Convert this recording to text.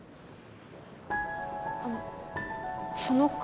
あのその傘。